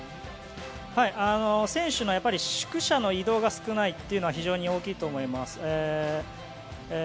選手の宿舎の移動が少ないというのは非常に大きいと思います。